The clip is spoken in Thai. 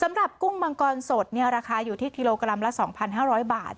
กุ้งมังกรสดราคาอยู่ที่กิโลกรัมละ๒๕๐๐บาท